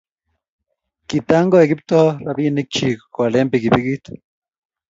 Kitangoi Kiptoo rabinik chik koale pikipikit